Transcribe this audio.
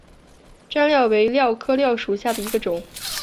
粘蓼为蓼科蓼属下的一个种。